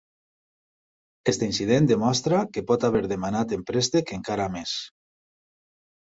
Aquest incident demostra que pot haver demanat en préstec encara més.